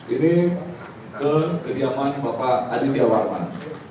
ini kekebiaman bapak aditya warman